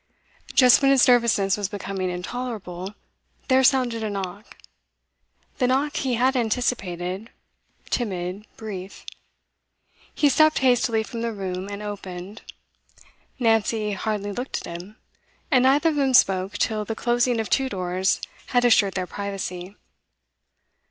Just when his nervousness was becoming intolerable, there sounded a knock. The knock he had anticipated timid, brief. He stepped hastily from the room, and opened. Nancy hardly looked at him, and neither of them spoke till the closing of two doors had assured their privacy.